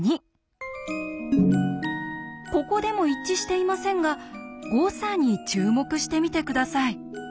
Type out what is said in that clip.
ここでも一致していませんが誤差に注目してみて下さい。